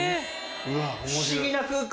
不思議な空間。